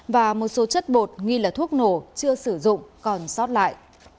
và một số chất bột nghi là thuốc nổ chưa sử dụng còn sót lại